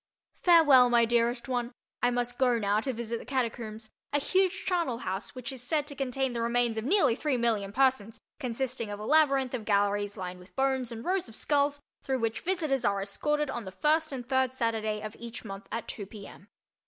Farewell, my dearest one—I must go now to visit the Catacombs, a huge charnelhouse which is said to contain the remains of nearly three million persons, consisting of a labyrinth of galleries lined with bones and rows of skulls through which visitors are escorted on the first and third Saturday of each month at 2 P. M.